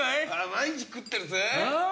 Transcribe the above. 毎日食ってるぜ。